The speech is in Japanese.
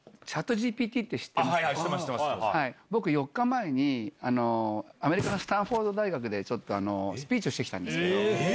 知ってます、僕、４日前にアメリカのスタンフォード大学でちょっとスピーチをしてきたんですけど。